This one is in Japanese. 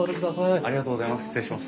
ありがとうございます。